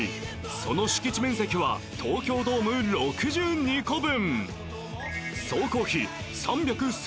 その敷地面積は東京ドーム６２個分。